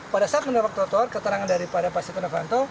pada saat menabrak trotoar keterangan daripada pak seta davanto